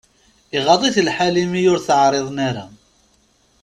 Iɣaḍ-it lḥal imi ur t-εriḍen ara.